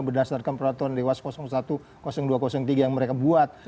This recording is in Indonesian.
berdasarkan peraturan dewas satu dua ratus tiga yang mereka buat